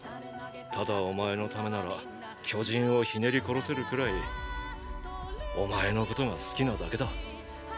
ただお前のためなら巨人をひねり殺せるくらいお前のことが好きなだけだ。